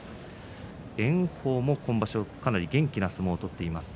炎鵬も今場所は元気な相撲を取っています。